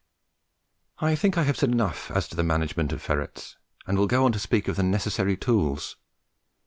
I think I have said enough as to the management of ferrets, and will go on to speak of the necessary tools.